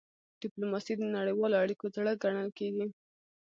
ډيپلوماسي د نړیوالو اړیکو زړه ګڼل کېږي.